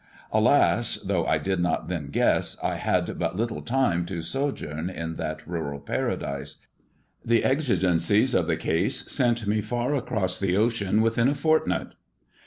Alas 1 thoagh I did not then guess, I had but little time to Bojoum in that rut&I paradise. The exigencies of the case sent me far across the ocean within a fortnight.